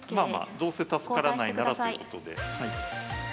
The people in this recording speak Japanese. どうせ助からないならということで。